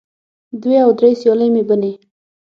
دوې او درې سیالې مې بنې